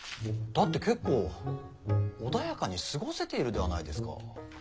だって結構穏やかに過ごせているではないですか。